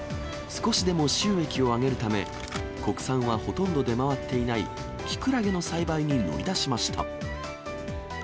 少しでも収益を上げるため、国産はほとんど出回っていないキクラゲの栽培に乗り出しました。